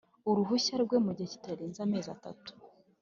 uruhushya rwe mu gihe kitarenze amezi atatu